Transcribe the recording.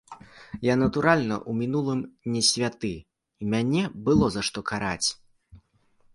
Я, натуральна, у мінулым не святы, і мяне было за што караць.